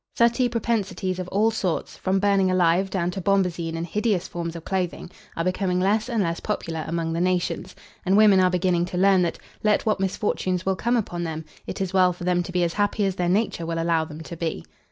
Suttee propensities of all sorts, from burning alive down to bombazine and hideous forms of clothing, are becoming less and less popular among the nations, and women are beginning to learn that, let what misfortunes will come upon them, it is well for them to be as happy as their nature will allow them to be.